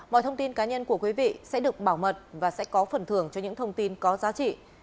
mọi thông tin cá nhân của quý vị sẽ được bảo mật và sẽ có phần thưởng cho những thông tin có giá trị